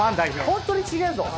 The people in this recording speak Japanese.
ホントに違えぞ。